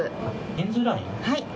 はい。